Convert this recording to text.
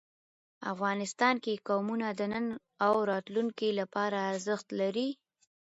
افغانستان کې قومونه د نن او راتلونکي لپاره ارزښت لري.